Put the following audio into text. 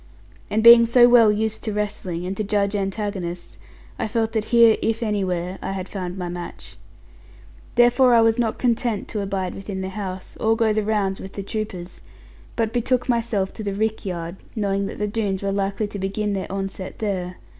And being so well used to wrestling, and to judge antagonists, I felt that here (if anywhere) I had found my match. Therefore I was not content to abide within the house, or go the rounds with the troopers; but betook myself to the rick yard, knowing that the Doones were likely to begin their onset there.